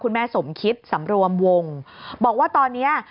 แม่สมคิดสำรวมวงบอกว่าตอนเนี้ย